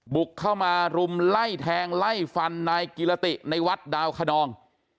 บุกเข้ามารุมไล่แทงไล่ฟันนายกิรติในวัดดาวคนอง